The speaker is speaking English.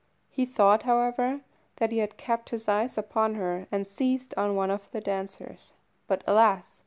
He thought, however, that he had kept his eyes upon her, and seized on one of the dancers; but alas!